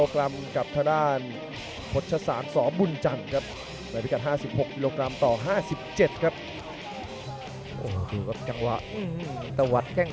พักกันแป๊บเดี๋ยวเท่านั้นครับ